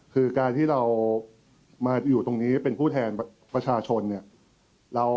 คือการที่เรามาอยู่ตรงนี้เป็นผู้แทนประชาชนเนี่ย